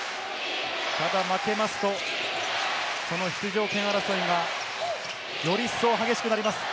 ただ負けますと、この出場権争いがより一層激しくなります。